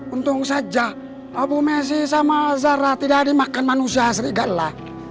untung saja abu messi sama zahra tidak dimakan manusia serigala